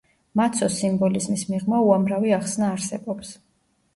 მაცოს სიმბოლიზმის მიღმა უამრავი ახსნა არსებობს.